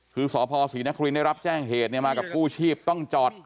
คือสพศรีนครินได้รับแจ้งเหตุเนี่ยมากับกู้ชีพต้องจอด